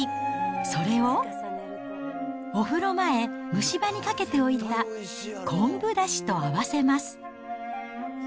それを、お風呂前、蒸し場にかけておいた昆布だしと合わせます。